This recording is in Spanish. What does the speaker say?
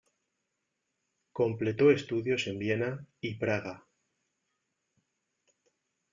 Completó estudios en Viena y Praga.